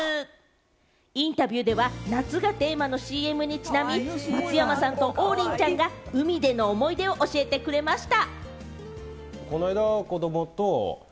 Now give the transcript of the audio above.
インタビューでは夏がテーマのＣＭにちなみ、松山さんと王林ちゃんが海での思い出を教えてくれました。